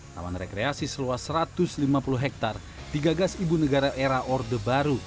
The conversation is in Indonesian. taman rekreasi seluas satu ratus lima puluh hektare digagas ibu negara era orde baru